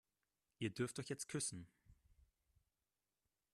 Ihr dürft euch jetzt küssen.